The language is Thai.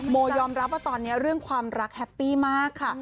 โมยอมรับว่าตอนนี้เรื่องความรักแฮปปี้มากค่ะ